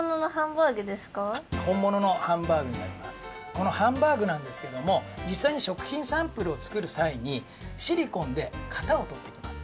このハンバーグなんですけどもじっさいに食品サンプルをつくるさいにシリコンでかたをとっていきます。